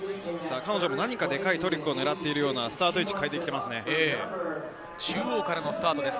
彼女も何かでかいトリックを狙っているようなスタート位置を変えてきています。